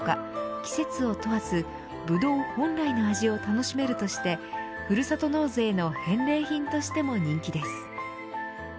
季節を問わずブドウ本来の味を楽しめるとしてふるさと納税の返礼品としても人気です。